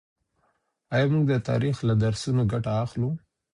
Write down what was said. آيا موږ د تاريخ له درسونو ګټه اخلو؟